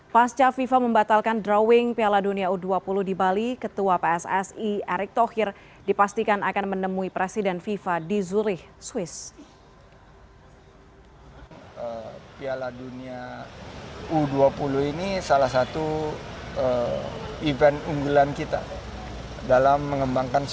pasca fifa membatalkan drawing piala dunia u dua puluh di bali ketua pssi erick thohir dipastikan akan menemui presiden fifa di zurich swiss